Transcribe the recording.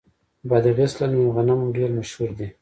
د بادغیس للمي غنم ډیر مشهور دي.